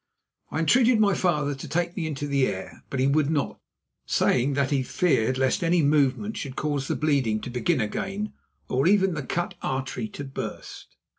I entreated my father to take me into the air, but he would not, saying that he feared lest any movement should cause the bleeding to begin again or even the cut artery to burst.